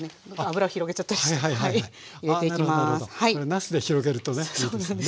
なすで広げるとねいいですよね。